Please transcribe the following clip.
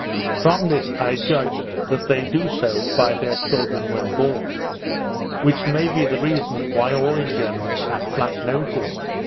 From this I judged, that they do so by their children when born, which may be the reason why all in general have flat noses.